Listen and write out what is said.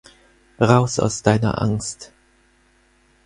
Raus aus deiner Angst.